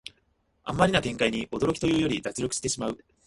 あんまりな展開に驚きというより脱力してしまう